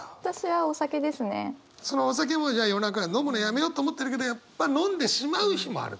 そのお酒もじゃあ夜中飲むのやめようと思ってるけどやっぱ飲んでしまう日もあると。